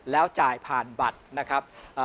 แล้วจ่ายผ่านบัตรนะครับ